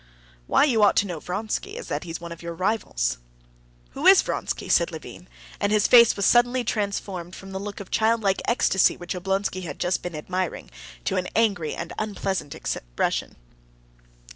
"Why you ought to know Vronsky is that he's one of your rivals." "Who's Vronsky?" said Levin, and his face was suddenly transformed from the look of childlike ecstasy which Oblonsky had just been admiring to an angry and unpleasant expression.